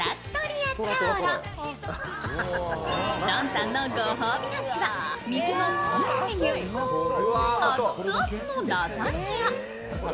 どんさんのご褒美ランチは店の看板メニュー、アッツアツのラザニア。